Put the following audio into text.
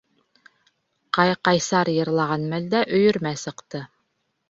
—...Ҡай-Ҡайсар йырлаған мәлдә өйөрмә сыҡты.